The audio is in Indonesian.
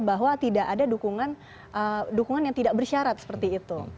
bahwa tidak ada dukungan yang tidak bersyarat seperti itu